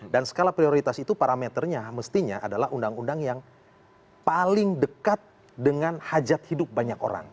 dan skala prioritas itu parameternya mestinya adalah undang undang yang paling dekat dengan hajat hidup banyak orang